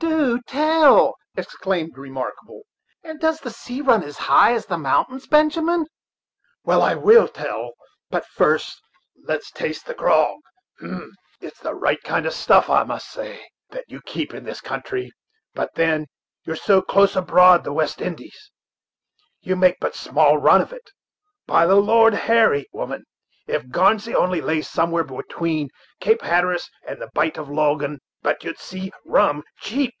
"Do tell!" exclaimed Remarkable; "and does the sea run as high as mountains, Benjamin?" "Well, I will tell; but first let's taste the grog. Hem! it's the right kind of stuff, I must say, that you keep in this country; but then you're so close aboard the West Indies, you make but a small run of it. By the Lord Harry, woman, if Garnsey only lay somewhere between Cape Hatteras and the bite of Logann, but you'd see rum cheap!